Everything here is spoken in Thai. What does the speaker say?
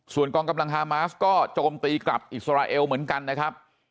ส่วนกองกำลังฮามาสก็โจมตีกลับอิสราเอลเหมือนกันนะครับ